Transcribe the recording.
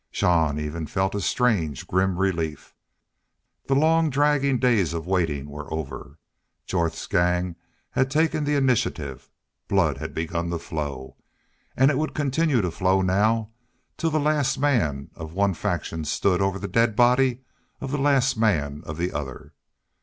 Jean even felt a strange, grim relief. The long, dragging days of waiting were over. Jorth's gang had taken the initiative. Blood had begun to flow. And it would continue to flow now till the last man of one faction stood over the dead body of the last man of the other.